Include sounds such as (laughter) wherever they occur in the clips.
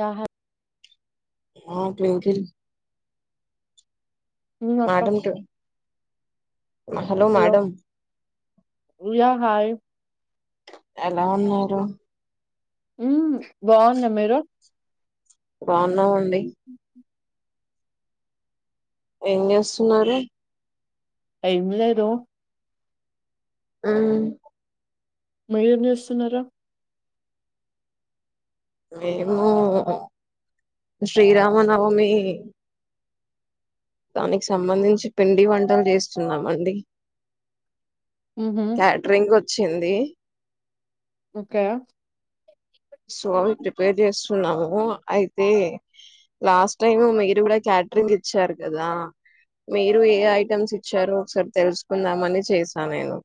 యహ ah Twinkle ఇంగ అక్క madam hello madam yeah hi ఎలా ఉన్నారు మ్ బావున్న మీరు బావున్నామండి ఏం చేస్తున్నారు టైం లేదో అ మీరు ఏం చేస్తున్నరు మేము ఆ శ్రీరామనవమి దానికి సంబంధించి పిండి వంటలు చేస్తున్నం అండి హుహు. క్యాట్రింగ్ ఒచ్చింది ఓకె సో అవి ప్రిపేర్ చేస్తున్నాము అయితే లాస్ట్ టైమ్ మీరు గుడా క్యట్రింగ్ ఇచ్చారు కదా మీరు ఏ ఐటమ్స్ ఇచ్చారో ఒకసారి తెలుసుకుందామని చేసానేను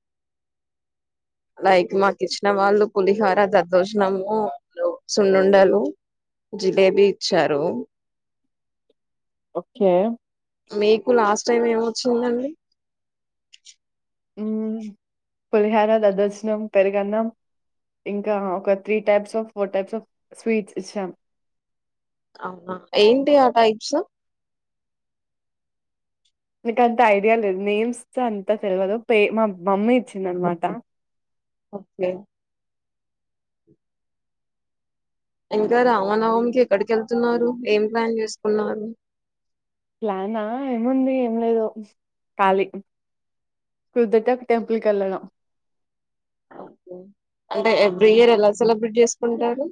లైక్ మాక్ ఇచ్చిన వాళ్ళు పులిహోర దద్దోజనము సున్నుండలు జిలేబి ఇచ్చారు ఓకే మీకు లాస్ట్ టైం ఏమొచ్చిందండి మ్ పులిహోర దద్దోజనము పెరుగన్నం ఇంకా ఒక three types of four types of sweets ఇచ్చాం అవున ఏంటి ఆ టైప్స్ నకంత ఐడియా లేదు నేమ్స్ అంత తెలివదు పే మా మమ్మీ ఇచ్చింది అనమాట ఓకే ఇంకా రామనవమీకి ఏక్కడికెళ్తున్నారు ఏం ప్లాన్ చేసుకున్నారు ప్లానా ఏముంది ఏం లేదు కాళీ కుదురితె టెంపుల్ కెళ్లడం అంటే ఎవ్రీ ఇయర్ ఎలా సెలబ్రేట్ చేసుకుంటారు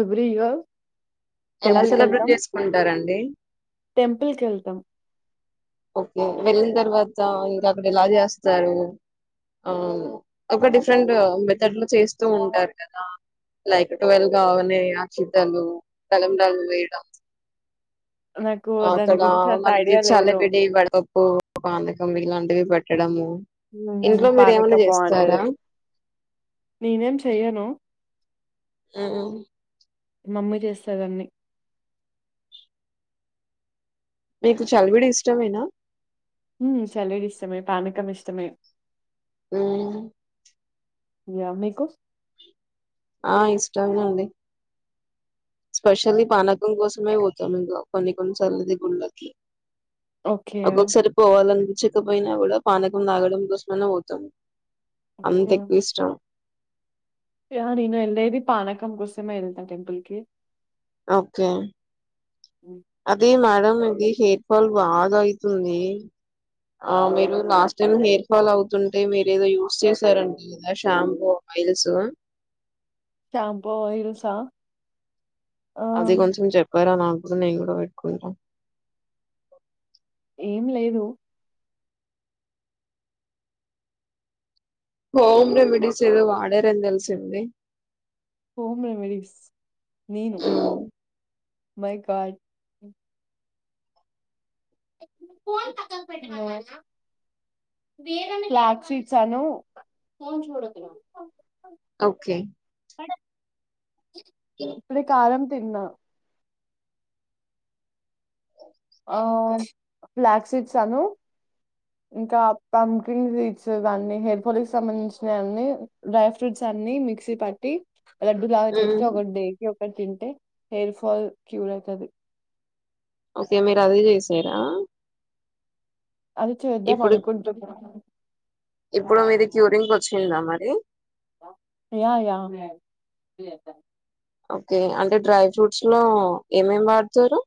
ఎవ్ర్రి ఇయర్ ఎలా సెలబ్రేట్ చేసుకుంటారండి టెంపుల్ కెళ్తాం ఓకే వెళ్ళన్ తర్వాత ఇంకా అక్కడ ఎలా చేస్తారు ఆ ఒక డిఫరెంట్ మెథడ్లో చేస్తూఉంటారు కదా లైక్ ట్వెల్వ్ కాగనే అక్షింతలు తళంబ్రాలు వేయడం నాకు ఆ దాని అక్కడ గురించి అంత మనకి ఐడియా లేదు. చాలివిడి వడపప్పు పానకం ఇలాంటివి పెట్టడము హు ఇంట్లో మ్మ్ మీరు ఏమన్నా పానకం చేస్తారా బాగుంటది నేనేం చెయ్యను మ్ మమ్మీ చేస్తది అన్ని మీకు చల్విడి ఇష్టమెనా హుమ్ చల్విడి ఇష్టమే పానకం ఇష్టమే మ్మ్ యా మీకు ఆ ఇష్టంమెఅండి స్పెషల్లి పానకం కొసమే పోతాం ఇంట్లో కొన్ని కొన్నిసార్లు ఇది గుళ్లకి ఓకే. ఒక్కొక్కసరి పొవాలనిపించకపోయిన కూడ పానకం తాగడం కోసమైనా పొతమ్ అంతెక్కువిష్టం య నేన్ ఏళ్ళేది పానకం కోసమే ఏల్త టెంపుల్ కి ఓకే హ్మ్. అది మేడం ఈ హెయిర్ ఫాల్ బాధ అయ్తుంది ఆ మీరు లాస్ట్ టైమ్ హెయిర్ ఫాల్ అవుతుంటే మీరు ఏదో యూజ్ చేసారంటి కదా షాంపు మైల్సు షాంపు ఆయిల్స్ఆ అది కొంచెం చెప్పరా నాకు నేన్ కూడ పెట్టుకుంట ఏం లేదు హోమ్ రెమిడీస్ ఏదో వాడర్ అనితెలిసింది హోమ్ రెమెడీస్ నేను మై గార్డ్ ఆ ఫ్లాక్ సీడ్స్ అను ఓకే ఇప్పుడే కారం తిన్న ఆ ఫ్లక్స్ సీడ్స్ అను ఇంకా పంప్కిన్ సిడ్స్ ఇవ్వని హెయిర్ ఫాల్ కి సంబంధించినవివన్నీ డ్రై ఫ్రూట్స్ అన్ని మిక్సీ పట్టి లడ్డు లాగా మ్మ్ చేస్తే ఒకటి డేకి ఒకటి తింటే హెయిర్ ఫాల్ క్యూర్ అవుతది ఓకే మీరు అదే చేసారా అది చేద్దాం ఇప్పుడు అనుకుంటున్నాను ఇప్పుడు మీది క్యూరింక్ వచ్చిందా మరి ఏమో యా ఓకే అంటే డ్రై ఫ్రూట్స్ లో ఏమేమి వాడుతారు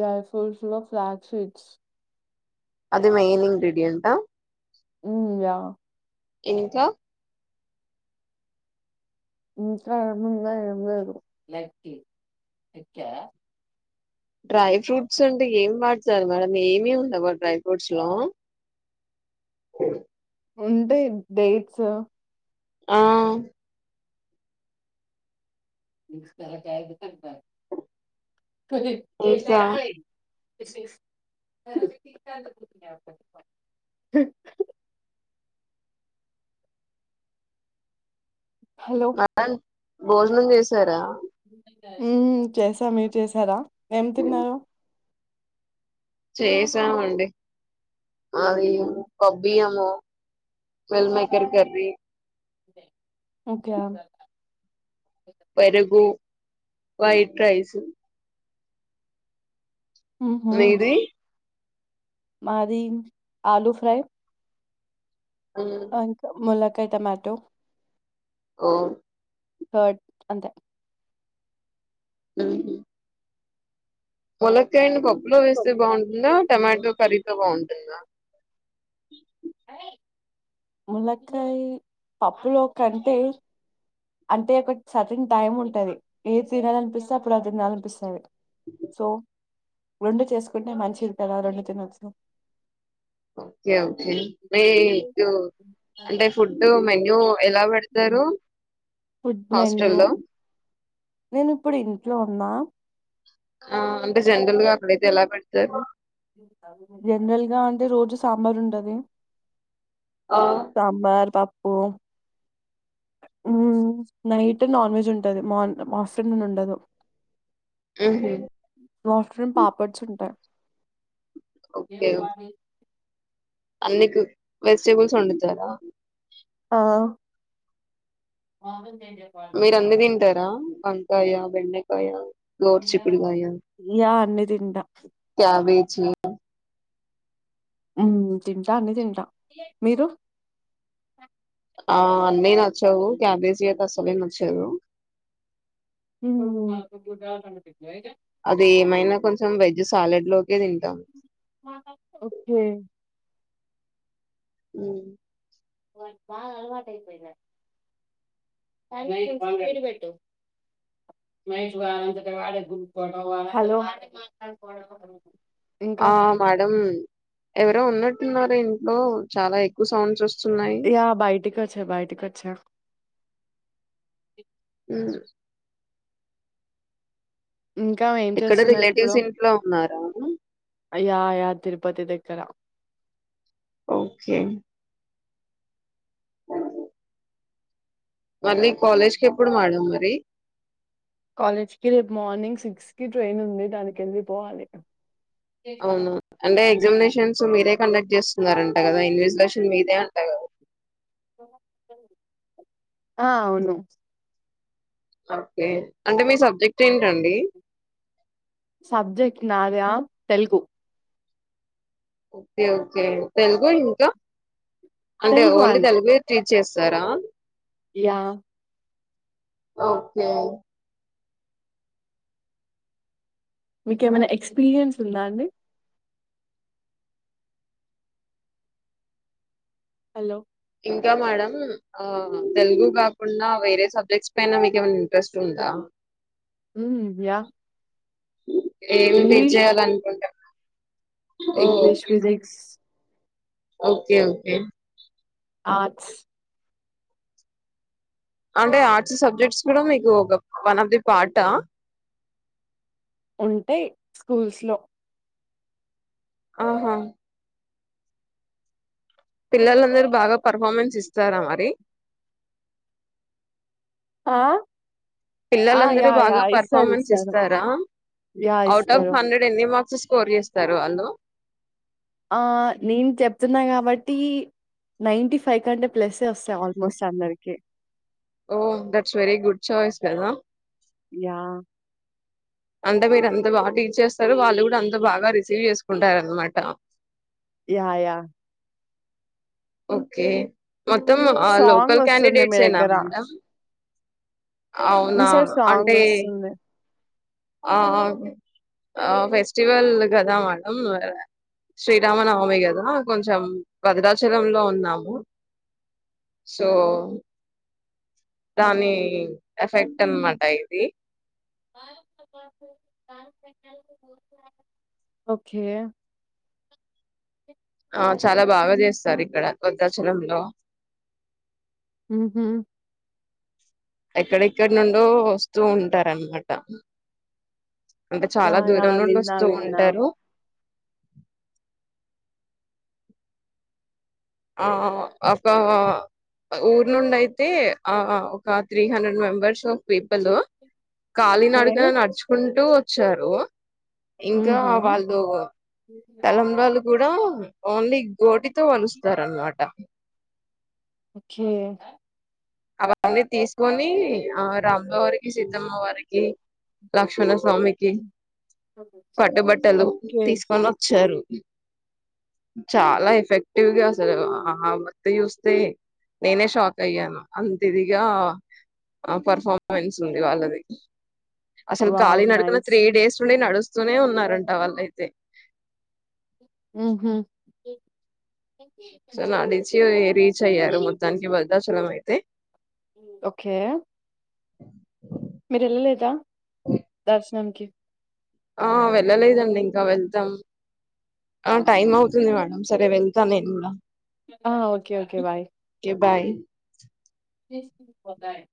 డైఫుల్స్ లో ఫ్లక్స్ సీడ్స్ అది మెయిన్ ఇంగ్రీడియంటా మ్ యా ఇంకా ఇంకా ఏమునై ఎం లేదు డ్రై ఫ్రూట్స్ అంటే ఏం వాడుతారు మేడం ఏమి ఉండవ డ్రై ఫ్రూట్స్ లో కోఒ ఉంటై డేట్స్ లో ఆ ఇంకా హలో (unintelligible) భోజనం చేసారా మ్ చేసా మీరు చేసారా ఏం తిన్నారు చేసామండి అది ప్పబ్బియ్యము మీల్ మేకర్ కర్రీ ఓకే పెరుగు వైట్ రైస్ మ్మ్ హు మీది మాదీ ఆలూ ఫ్రై అ ఇంకా ములక్కయ్ టమాటో ఓ కర్డ్ అంతే మ్ హు ములక్కాయ్ ని పప్పులో వేస్తే బాగుంటుందా టమాటో కర్రీతో బాగుంటుందా ములక్కాయ్ పప్పులో కంటే అంటే ఒక సర్టైన టైమ్ ఉంటది ఏది తినాలనిపిస్తే అప్పుడు అది తినాలనిపిస్తది సో రెండు చేసుకుంటే మంచిది కదా రెండు తినొచ్చు ఓకే ఓకే మీకు అంటే ఫుడ్ మెన్యూ ఎలా పెడుతారు ఫుడ్ మెన్యూ నేనిప్పుడు ఇంట్లో ఉన్నా ఆ అంటే జనరల్ గా అక్కడైతే ఎలా పెడతారు జనరల్ గా అంటే రోజు సాంబార్ ఉంటది ఆ, సాంబార్ పప్పు మ్ నైట్ నాన్ వెజ్ ఉంటది మార్ ఆఫ్టేర్నూన్ ఉండదు మ్హూ. వాఫ్టర్నూన్ పాపడ్స్ ఉంటాయ్ (unintelligible) అన్నిక్ వెజిటేబుల్స్ వండుతారా ఆ మోడన్ మీరు అన్ని తింటారా వంకాయ బెండకాయ గోర్ చిక్కుడిగాయా యా అన్ని తింటా క్యాబెజి ఉమ్ తింటా అన్ని తింటా మీరు ఆ అన్ని నచ్చవు క్యాబెజి అయితే అసలే నచ్చదు హ్మ్ అది ఏమైనా కొంచెం వెజ్ సాలెడ్ లోకే తింటాం ఓకే. ఉమ్ వానికి బాగా అలవాటు అయిపోయిందే మైక్ దగరకు పెట్టు హలో ఆ మేడం ఎవరో ఉన్నట్టున్నారు ఇంట్లో చాలా ఎక్కువ సౌండ్స్ వస్తు యా బయటికొచ్చా బయటికొచ్చా మ్ ఇంకా ఏం ఎక్కడ చేస్తున్నారు ఇప్పుడు రిలేటివ్స్ ఇంట్లో ఉన్నారా అ యయా తిరుపతి పతి దగ్గరా ఓకే మళ్ళీ కాలేజ్క్ ఎప్పుడు మేడం మరి కాలేజ్కి రేపు మార్నింగ్ సిక్స్ కి ట్రైన్ ఉంది దానినకి వెళ్ళి పోవాలి అవునా అంటే ఎగ్జామినేషన్స్ మీరే కండక్ట్ చేస్తున్నారంట కదా ఇన్విజిలేషన్ మీదే అంట కదా ఆ అవును ఓకే అంటే మీ సబ్జెక్ట్ ఏంటండి సబ్జెక్ట్ నాది అ తెలుగు ఓకే ఓకే తెలుగు ఇంకా అంటే తెలుగు ఓన్లీ తెలుగు ఎ తీస్కు చేస్తారా యా ఓకే మీకు ఏమైనా ఎక్స్పీరియన్స్ ఉందా అండి హలో ఇంకా మేడం అ తెలుగు కాకుండా వేరే సబ్జెక్ట్స్ పైన మీక ఏమైనా ఇంట్రెస్ట్ ఉందా మ్ యా ఏమ్ టీచ్ చెయ్యాల్ అనుకుంటాంన్నర్ English physics okay okay arts అంటే ఆర్ట్స్ సబ్జెక్ట్స్ కూడా మీకు ఒక వన్ ఆఫ్ ది పార్టా ఉంటాయి స్కూల్స్ లో ఆహా ఆ! పిల్లలందరుూ బాగా పర్ఫార్మెన్స్ ఇస్తారా మరి ఆ పిల్లలందరూ యాహ్! బాగా యాహ్! ఇస్తారు. పర్ఫార్మెన్స్ ఇస్తారు. ఇస్తారా యాహ్! అవుట్ ఆఫ్ ఇస్తారు. హండ్రెడ్ ఎన్ని మార్క్స్ స్కోర్ చేస్తారు వాళ్ళు ఆ నేను చెప్తున్నా కాబట్టి నైన్టీ ఫైవ్ కంటే ప్లసే వస్తాయి ఆల్మోస్ట్ అందరికి oh that's very good choice గదా యా అంటే మీరు అంత బాగా టీచ్ చేస్తారు వాళ్ళు కూడా అంత బాగా రిసీవ్ చేసుకుంటారు అనమాట యాయా ఓకే మొత్తం అ సాంగ్ లోకల్ వస్తుంది మీ క్యాండిడేట్స్ ఏనా దగ్గర. మేడం మీ అవునా సైడ్ సాంగ్ అంటే వస్తుంది. ఆ ఆ ఆ ఫెస్టివల్ కదా మేడం శ్రీరామనవమి కదా కొంచెం వగడల్ చలంలో ఉన్నాము సో దాని ఎఫెక్ట్ అనమాట ఇది ఓకే ఆ చాలా బాగా చేస్తారు ఇక్కడ భద్రచలంలో మ్ హు ఎక్కడెక్కడి నుండో వస్తూ ఉంటారన్నమాట అంటే చాలా యాహ్! దూరం యాహ్! నుండు విన్నా. వస్తూ విన్నా. ఉంటారు ఆ అబ్బ ఊర్ నుండి అయితే అ ఒక three hundred members people okay. కళీనడుకన నడుచుకుంటూ వచ్చారు ఇంకా హుహు. వాళ్ళు తలంబ్రాళ్ళు కూడా ఓన్లీ గోటితో స్తారన్నమాట ఓకే అవన్నీ తీసుకొని ఆ రాములోరికి సీతమ్మ వారికి లక్ష్మణ స్వామికి పట్టుబట్టలు ఓకే. తీసుకొని ఓచ్చారు చాలా ఎఫెక్టివ్గా అసలు ఆ మత్తు చూస్తే నేనే షాక్ అయ్యాను అంత ఇదిగా ఆ పర్ఫార్మెన్స్ ఉంది వాళ్ళది అసలు ఖాళీ వావ్! నడకన నైస్. త్రీ డేస్ నుండి నడుస్తూనే ఉన్నారంట వాళ్ళైతే మ్ హు సో నాడిచి రీచ్ అయ్యారు మొత్తానికి భద్రాచలం అయితే ఓకే మీరేళ్లేలేద దర్శనంకి ఆ వెళ్ళలేదండి ఇంకా వెళ్తాం ఆ టైమ్ అవుతుంది మేడం సరే వెళ్తా నేను కూడా ఆ okay okay bye okay bye (unintelligible)